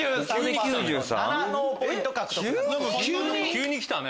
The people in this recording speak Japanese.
急にきたね。